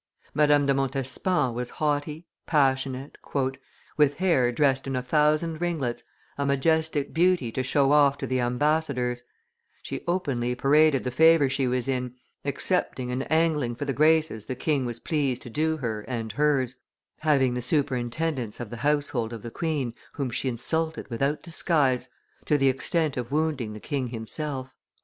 Madame de Montespan was haughty, passionate, "with hair dressed in a thousand ringlets, a majestic beauty to show off to the ambassadors: "she openly paraded the favor she was in, accepting and angling for the graces the king was pleased to do her and hers, having the superintendence of the household of the queen whom she insulted without disguise, to the extent of wounding the king himself.